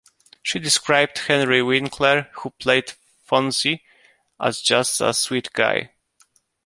She described Henry Winkler, who played Fonzie, as just a sweet guy.